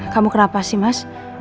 kamu kenapa sih mas